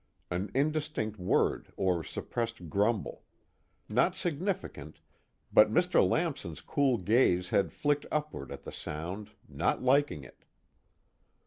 An indistinct word or suppressed grumble; not significant, but Mr. Lamson's cool gaze had flicked upward at the sound, not liking it.